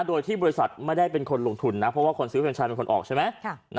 โดยที่บริษัทไม่ได้เป็นคนลงทุนนะเพราะว่าคนซื้อกัญชาเป็นคนออกใช่ไหม